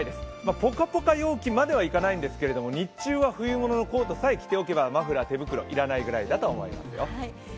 ぽかぽか陽気まではいかないんですけど、日中は冬物のコートさえ着ていれば、マフラー、手袋、要らないですよ